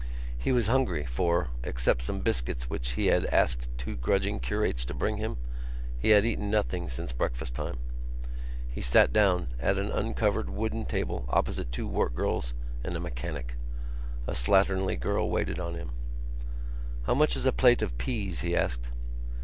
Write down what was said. He was hungry for, except some biscuits which he had asked two grudging curates to bring him, he had eaten nothing since breakfast time. He sat down at an uncovered wooden table opposite two work girls and a mechanic. A slatternly girl waited on him. "How much is a plate of peas?" he asked.